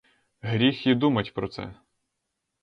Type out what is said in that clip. Гріх і думать про це.